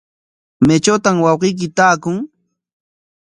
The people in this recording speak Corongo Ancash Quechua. ¿Maytrawtaq wawqiyki taakun?